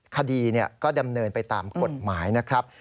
คดีก็ดำเนินไปตามกฎหมายนะครับ